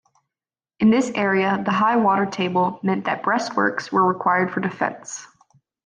In this area the high water table meant that breastworks were required for defence.